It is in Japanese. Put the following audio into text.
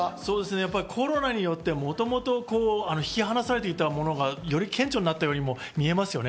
コロナによってもともと引き離されていたものがより顕著になったようにも見えますね。